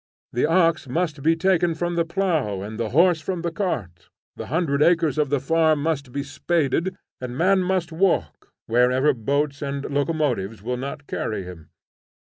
The ox must be taken from the plough and the horse from the cart, the hundred acres of the farm must be spaded, and the man must walk, wherever boats and locomotives will not carry him.